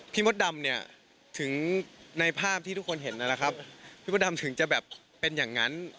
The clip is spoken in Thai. มดดำเนี่ยถึงในภาพที่ทุกคนเห็นนั่นแหละครับพี่มดดำถึงจะแบบเป็นอย่างนั้น